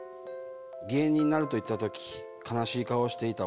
芸人になると言った時悲しい顔をしていた